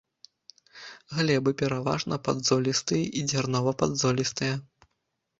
Глебы пераважна падзолістыя і дзярнова-падзолістыя.